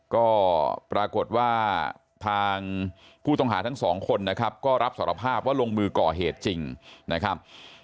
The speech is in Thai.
ก็ปรากฏว่าทางผู้ต้องหาทั้งสองคนนะครับก็รับสารภาพว่าลงมือก่อเหตุจริงนะครับ